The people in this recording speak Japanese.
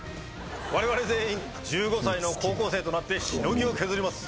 我々全員１５歳の高校生となってしのぎを削ります。